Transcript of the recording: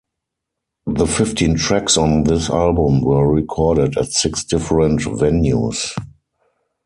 The fifteen tracks on this album were recorded at six different venues.